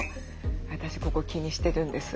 私ここ気にしてるんです。